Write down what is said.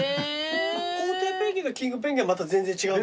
コウテイペンギンとキングペンギンはまた全然違うんですか？